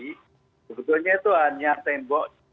sebetulnya itu hanya tembok